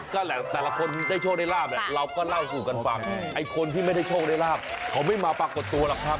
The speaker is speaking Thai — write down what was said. ก็แหละแต่ละคนได้โชคได้ลาบเนี่ยเราก็เล่าสู่กันฟังไอ้คนที่ไม่ได้โชคได้ลาบเขาไม่มาปรากฏตัวหรอกครับ